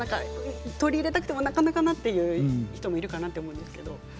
取り入れたくてもなかなかなという人もいるかなと思うんですけれども。